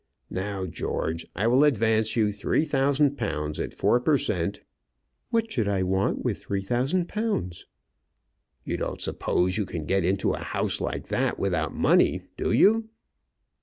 Now, George, I will advance you three thousand pounds at four per cent. " "What should I want with three thousand pounds?" "You don't suppose you can get into a house like that without money, do you?"